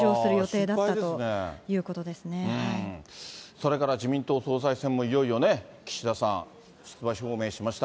それから自民党総裁選もいよいよね、岸田さん、出馬表明しました。